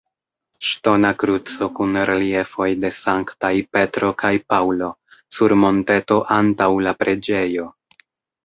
Ŝtona kruco kun reliefoj de Sanktaj Petro kaj Paŭlo sur monteto antaŭ la preĝejo.